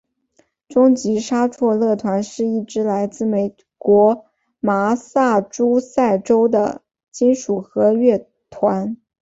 终极杀戮乐团是一支来自美国麻萨诸塞州的金属核乐团。